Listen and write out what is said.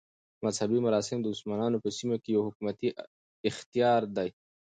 مذهبي مراسم د مسلمانانو په سیمو کښي یو حکومتي اختیار دئ.